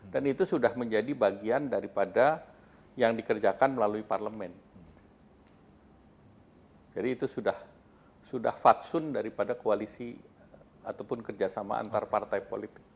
dan itu sudah menjadi bagian daripada yang dikerjakan melalui parlemen jadi itu sudah sudah fadsun daripada koalisi ataupun kerjasama antar partai politik